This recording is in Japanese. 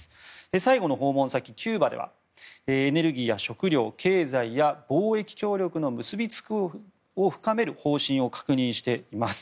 最後の訪問先のキューバではエネルギーや食料経済や貿易協力の結び付きを深める方針を確認しています。